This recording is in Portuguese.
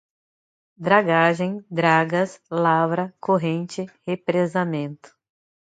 dragagem, dragas, lavra, corrente, represamento